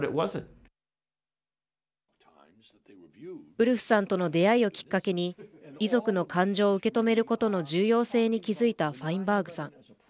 ウルフさんとの出会いをきっかけに遺族の感情を受け止めることの重要性に気付いたファインバーグさん。